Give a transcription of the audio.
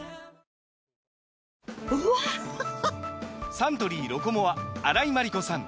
サントリー「ロコモア」荒井眞理子さん